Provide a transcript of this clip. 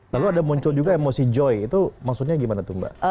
lalu ada muncul juga emosi joy itu maksudnya gimana tuh mbak